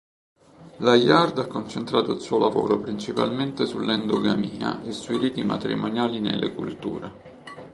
Layard ha concentrato il suo lavoro principalmente sull'endogamia e sui riti matrimoniali nelle culture.